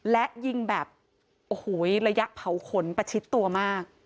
และยิงแบบโอ้โหระยะเผาขนประชิดตัวมาก